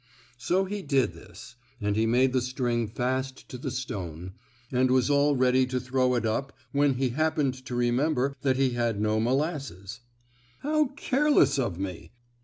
So he did this, and he made the string fast to the stone, and was all ready to throw it up when he happened to remember that he had no molasses. "How careless of me!